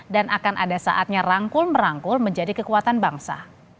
dan akan ada saatnya rangkul merangkul menjadi kekuatan bangsa